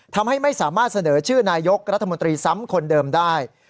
ทำให้ไม่สามารถเสนอชื่อนายกรัฐมนตรีซ้ำคนเดิมได้